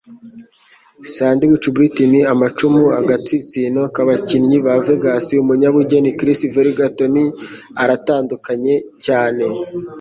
sandwich britney amacumu agatsinsino k'abakinnyi ba vegas umunyabugeni Chris Ferguson tony aratandukanye cyane.